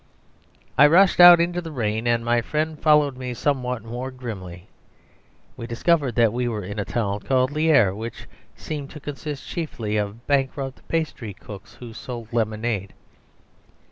I rushed out into the rain, and my friend followed me somewhat more grimly. We discovered we were in a town called Lierre, which seemed to consist chiefly of bankrupt pastry cooks, who sold lemonade.